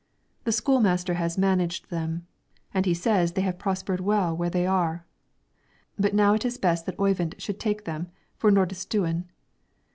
The school master has managed them, and he says they have prospered well where they are; but now it is best that Oyvind should take them for Nordistuen."